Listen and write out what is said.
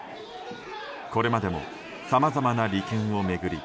これまでもさまざまな利権を巡り